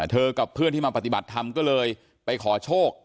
กับเพื่อนที่มาปฏิบัติธรรมก็เลยไปขอโชค